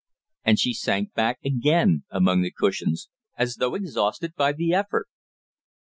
And she sank back again, among the cushions, as though exhausted by the effort.